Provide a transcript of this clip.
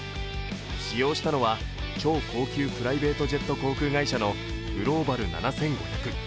使用したのは超高級プライベートジェット航空会社のグローバル７５００。